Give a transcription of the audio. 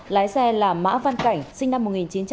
lái xe là mã văn cảnh sinh năm một nghìn chín trăm chín mươi sáu